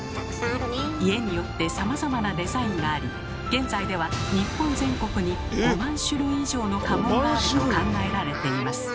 家によってさまざまなデザインがあり現在では日本全国に５万種類以上の家紋があると考えられています。